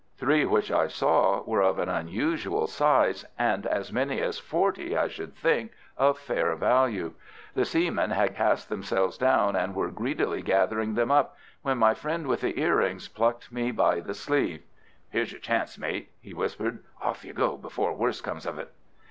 Three which I saw were of an unusual size, and as many as forty, I should think, of fair value. The seamen had cast themselves down and were greedily gathering them up, when my friend with the earrings plucked me by the sleeve. "Here's your chance, mate," he whispered. "Off you go before worse comes of it."